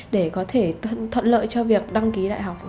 để có thể thuận lợi cho việc đăng ký đại học